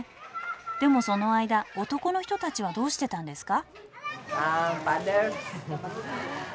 でもその間男の人たちはどうしてたんですか？